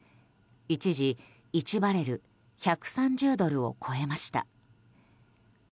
一時、１バレル＝１３０ドルを超えました。